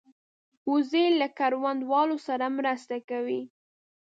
وزې له کروندهوالو سره مرسته کوي